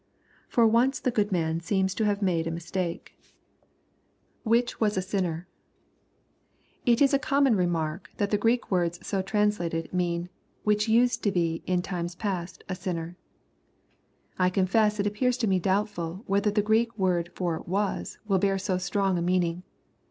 For once the good man seems to have made a mistake. LUKE, CHAP. VII. 241 [ Which was a sinner,] It is a common remark, tiiat the Qreek words so translated, mean "which used to be, in times past, a sinner." I confess it appears to me doubtful, whether the Greek word for " was," will bear so strong a meaning.